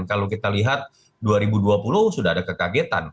kalau kita lihat dua ribu dua puluh sudah ada kekagetan